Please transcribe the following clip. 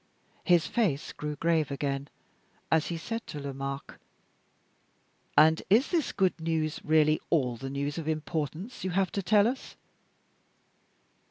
His face grew grave again as he said to Lomaque, "And is this good news really all the news of importance you have to tell us?"